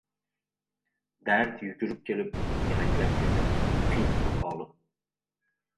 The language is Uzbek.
Dard yugurib kelib, emaklab ketadi. Fin maqoli